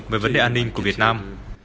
với vấn đề an ninh của việt nam